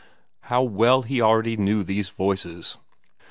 How well he already knew these voices!